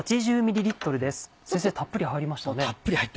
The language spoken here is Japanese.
先生たっぷり入りましたね。